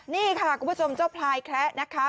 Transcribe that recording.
นี่ค่ะคุณผู้ชมช้างปลาลงนะคะ